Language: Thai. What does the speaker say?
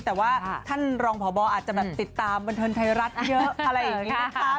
แต่ว่าท่านรองพบอาจจะแบบติดตามบันเทิงไทยรัฐเยอะอะไรอย่างนี้นะคะ